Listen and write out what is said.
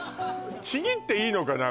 ちぎっていいのかな？